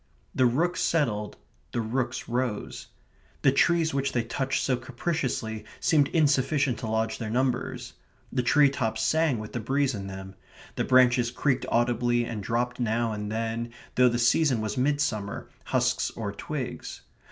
The rooks settled; the rooks rose. The trees which they touched so capriciously seemed insufficient to lodge their numbers. The tree tops sang with the breeze in them; the branches creaked audibly and dropped now and then, though the season was midsummer, husks or twigs.